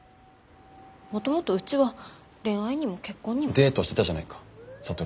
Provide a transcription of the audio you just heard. もともとうちは恋愛にも結婚にも。デートしてたじゃないか智と。